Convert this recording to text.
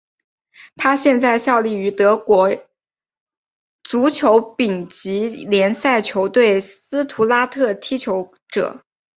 他现在效力于德国足球丙级联赛球队斯图加特踢球者。